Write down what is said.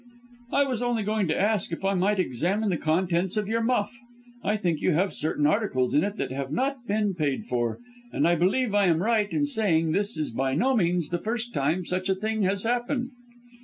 "'I was only going to ask if I might examine the contents of your muff? I think you have certain articles in it that have not been paid for and I believe I am right in saying this is by no means the first time such a thing has happened.'